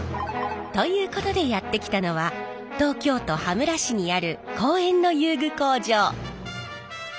ということでやって来たのは東京都羽村市にある公園の遊具工場。